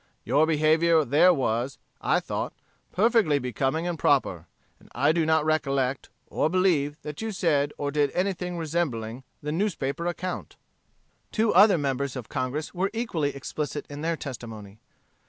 Your behavior there was, I thought, perfectly becoming and proper. And I do not recollect, or believe, that you said or did anything resembling the newspaper account." Two other members of Congress were equally explicit in their testimony.